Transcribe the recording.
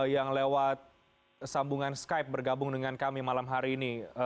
yang lewat sambungan skype bergabung dengan kami malam hari ini